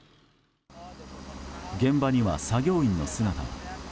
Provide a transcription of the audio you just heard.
現場には作業員の姿も。